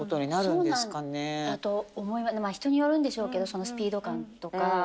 まあ人によるんでしょうけどそのスピード感とか。